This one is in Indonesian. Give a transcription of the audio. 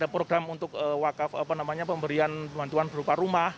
program untuk wakaf pemberian bantuan berupa rumah